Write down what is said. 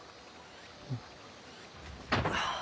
うん。